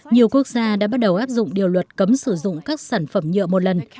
nhiều quốc gia đã bắt đầu áp dụng điều luật cấm sử dụng các sản phẩm nhựa một lần